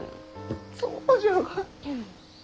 そうじゃが。